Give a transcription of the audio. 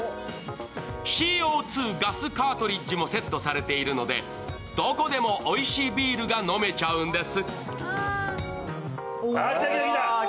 ＣＯ２ガスカートリッジもセットされているのでどこでもおいしいビールが飲めちゃうんです。